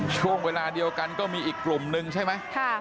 ช่วงเวลาเดียวกันก็มีอีกกลุ่มนึงใช่ไหม